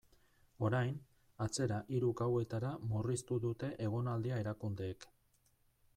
Orain, atzera hiru gauetara murriztu dute egonaldia erakundeek.